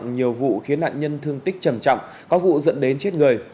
nhiều vụ khiến nạn nhân thương tích trầm trọng có vụ dẫn đến chết người